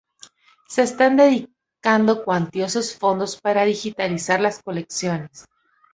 Se están dedicando cuantiosos fondos para digitalizar las colecciones.